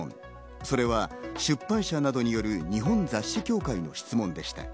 それは出版社などによる日本雑誌協会の質問でした。